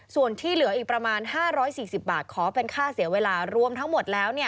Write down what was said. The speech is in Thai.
ส่วนที่เหลืออีกประมาณ๕๔๐บาทขอเป็นค่าเสียเวลารวมทั้งหมดแล้ว